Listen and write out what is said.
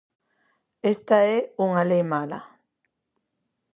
Esta é unha lei mala.